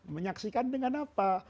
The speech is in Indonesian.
menyaksikan dengan apa